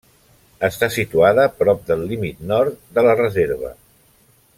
Està situada prop del límit nord de la Reserva.